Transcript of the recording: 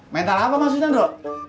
mental apa maksudnya bro